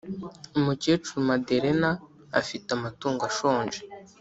umukecuru madarena afite amatungo ashonje